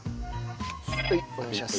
はいお願いします。